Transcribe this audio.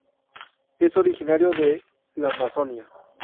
Es originario de la Amazonia.